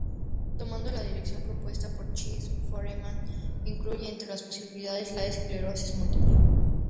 Tomando la dirección propuesta por Chase, Foreman incluye entre las posibilidades la esclerosis múltiple.